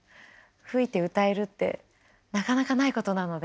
吹いて歌えるってなかなかないことなので。